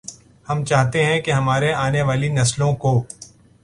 ہم چاہتے ہیں کہ ہماری آنے والی نسلوں کو